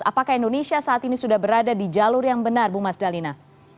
apakah indonesia saat ini sudah berada di jalur yang benar bu mas dalina